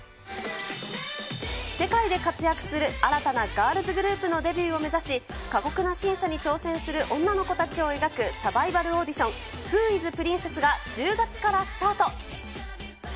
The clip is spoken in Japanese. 世界で活躍する新たなガールズグループのデビューを目指し、過酷な審査に挑戦する女の子たちを描くサバイバルオーディション、フー・イズ・プリンセス？が１０月からスタート。